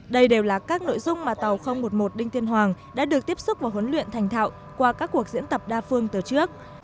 đây đều là các nội dung mà tàu một mươi một đinh tiên hoàng đã được tiếp xúc và huấn luyện thành thạo qua các cuộc diễn tập đa phương từ trước